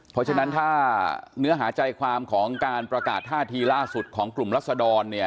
เพราะฉะนั้นถ้าเนื้อหาใจความของการประกาศท่าทีล่าสุดของกลุ่มรัศดรเนี่ย